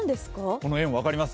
この円、分かります？